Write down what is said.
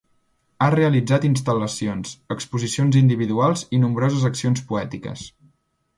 Ha realitzat instal·lacions, exposicions individuals i nombroses accions poètiques.